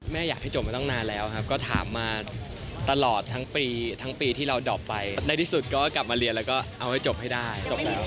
แม่อยากให้จบไม่ตั้งนานแล้วครับก็ถามมาตลอดทั้งปีที่เราดอปไปได้ที่สุดก็กลับมาเรียนแล้วก็เอาให้จบให้ได้